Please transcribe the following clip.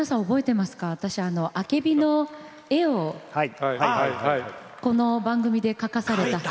あけびの絵をこの番組で描かされた。